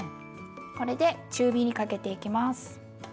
これで中火にかけていきます。